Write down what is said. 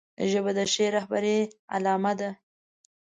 ژبه د ښې رهبرۍ علامه ده